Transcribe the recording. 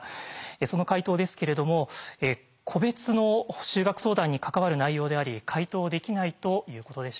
その回答ですけれども「個別の就学相談に関わる内容であり回答できない」ということでした。